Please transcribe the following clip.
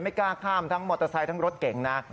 ไม่กล้าข้ามทั้งมอเตอร์ไซค์ทั้งรถเก่งนะ